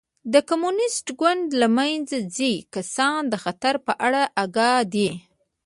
د کمونېست ګوند له منځه ځیني کسان د خطر په اړه اګاه دي.